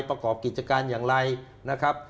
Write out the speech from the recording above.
ประกอบกิจการอย่างไรนะครับ